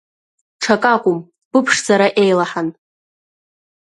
Ҽак акәым, быԥшӡара еилаҳан…